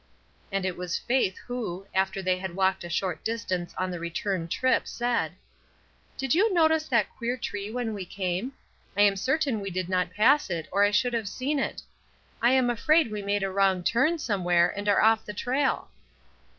And it was Faith who, after they had walked a short distance on the return trip, said :— 158 ESTER RIED^S NAMESAKE ''Did you notice that queer tree when we came? I am certain we did not pass it or I should have seen it. I am afraid we made a wrong turn, somewhere, and are off the trail."